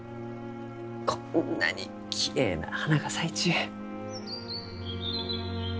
こんなにきれいな花が咲いちゅう。